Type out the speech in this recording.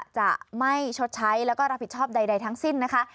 จะไม่ชดใช้แล้วก็รับผิดชอบใดทั้งสิ้นนะคะ